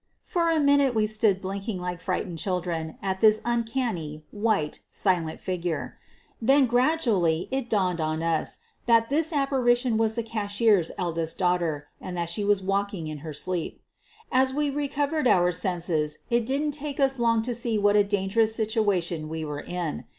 For a minute we stood blinking like frightened children at this uncanny, white, silent figure. Then, gradually, it dawned on us that this apparition was the cashier's eldest daughter, and that she was walk ing in her sleep. As we recovered our senses it didn't take us long to see what a dangerous situation we were in.